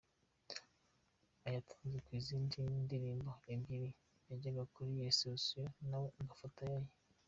Ayatanzwe ku zindi ndirimbo ebyiri yajyaga kuri reception nawe agafatayo aye.